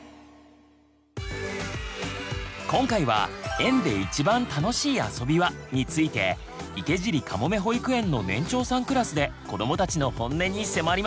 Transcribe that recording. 今回は「園でいちばん楽しい遊びは？」について池尻かもめ保育園の年長さんクラスでこどもたちのホンネに迫ります！